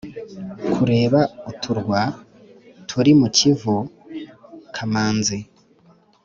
kureba uturwa turi mu kivu. kamanzi